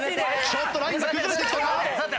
ちょっとラインが崩れてきたか？